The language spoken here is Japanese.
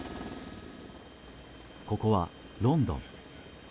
ここはロンドン。